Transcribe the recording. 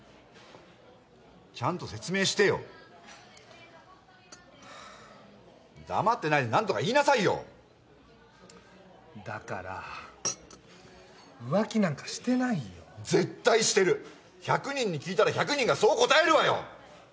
ちゃんと説明してよはあ黙ってないで何とか言いなさいよだから浮気なんかしてないよ絶対してる１００人に聞いたら１００人がそう答えるわよ